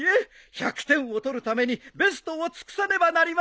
１００点を取るためにベストを尽くさねばなりません！